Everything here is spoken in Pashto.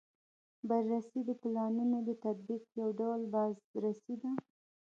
بررسي د پلانونو د تطبیق یو ډول بازرسي ده.